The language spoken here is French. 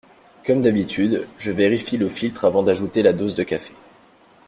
Comme d’habitude, je vérifie le filtre avant d’ajouter la dose de café.